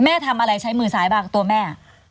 ทำอะไรใช้มือซ้ายบ้างตัวแม่